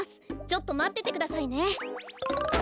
ちょっとまっててくださいね。